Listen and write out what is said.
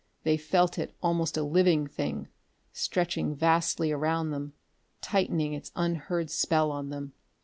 They felt it almost a living thing, stretching vastly around them, tightening its unheard spell on them.